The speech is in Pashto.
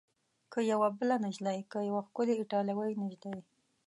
که یوه بله نجلۍ؟ که یوه ښکلې ایټالوۍ نجلۍ؟